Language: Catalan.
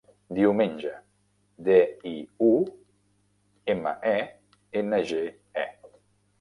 Diumenge: de, i, u, ema, e, ena, ge, e.